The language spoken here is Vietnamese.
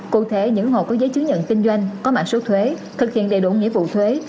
cụ thể những hộ có giấy chứng nhận kinh doanh có mạng số thuế thực hiện đầy đủ nghĩa vụ thuế